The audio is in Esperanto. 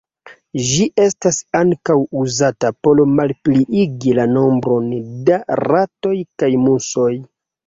Ĝi estas ankaŭ uzata por malpliigi la nombron da ratoj kaj musoj.